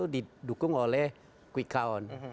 didukung oleh quick count